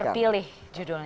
sekarang masih terpilih